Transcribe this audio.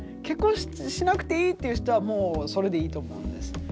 結婚しなくていいっていう人はもうそれでいいと思うんです。